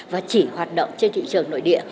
và chỉ hoạt động trên thị trường nội địa